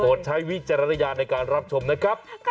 ใช้วิจารณญาณในการรับชมนะครับ